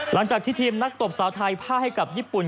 หลังจากที่ทีมนักตบสาวไทยผ้าให้กับญี่ปุ่น